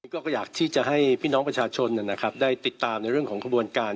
ก็อยากที่จะให้พี่น้องประชาชนได้ติดตามในเรื่องของขบวนการ